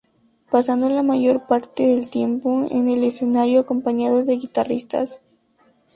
Pasando la mayor parte del tiempo en el escenario acompañados de guitarristas.